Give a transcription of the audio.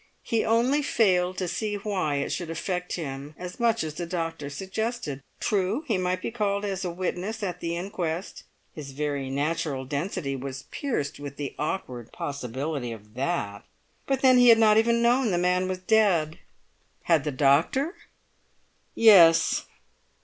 He only failed to see why it should affect him as much as the doctor suggested. True, he might be called as witness at the inquest; his very natural density was pierced with the awkward possibility of that. But then he had not even known the man was dead. Had the doctor? Yes.